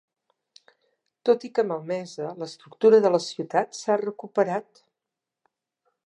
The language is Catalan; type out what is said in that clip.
Tot i que malmesa, l'estructura de la ciutat s'ha recuperat.